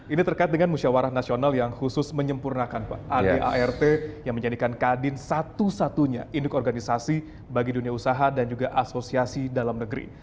ini terkait dengan musyawarah nasional yang khusus menyempurnakan pak adart yang menjadikan kadin satu satunya induk organisasi bagi dunia usaha dan juga asosiasi dalam negeri